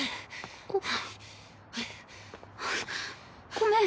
ごめん。